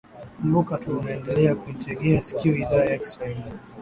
kumbuka tu unaendelea kuitegea sikio idhaa ya kiswahili